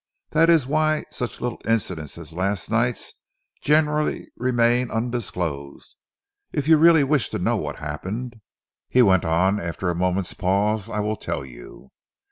That is why such little incidents as last night's generally remain undisclosed. If you really wish to know what happened," he went on, after a moment's pause, "I will tell you.